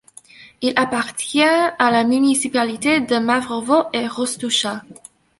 Il appartient à la municipalité de Mavrovo et Rostoucha.